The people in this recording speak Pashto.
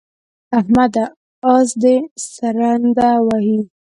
احمده! اس دې سرنده وهي.